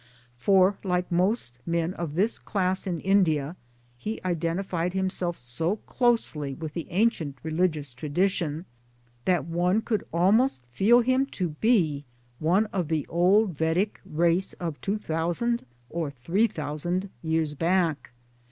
For, like most men of this class in India, he identified himself so closely with the ancient religious tradition that one could almost feel him to be one of the old Vedic race of two thousand or three thousand years back.